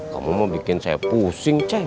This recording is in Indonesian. kamu mau bikin saya pusing cek